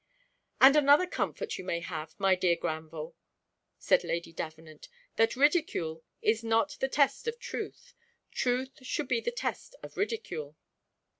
"And another comfort you may have, my dear Granville," said Lady Davenant, "that ridicule is not the test of truth; truth should be the test of ridicule."